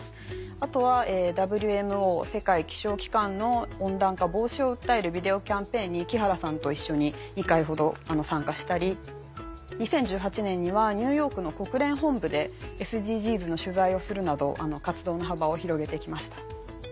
あとはＷＭＯ世界気象機関の温暖化防止を訴えるビデオキャンペーンに木原さんと一緒に２回ほど参加したり２０１８年にはニューヨークの国連本部でＳＤＧｓの取材をするなど活動の幅を広げて来ました。